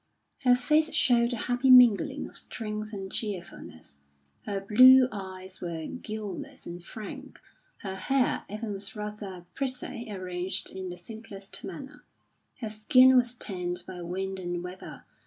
Her face showed a happy mingling of strength and cheerfulness; her blue eyes were guileless and frank; her hair even was rather pretty, arranged in the simplest manner; her skin was tanned by wind and weather.